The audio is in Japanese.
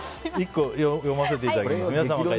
１つ読ませていただきます。